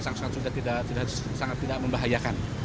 sangat sangat sudah sangat tidak membahayakan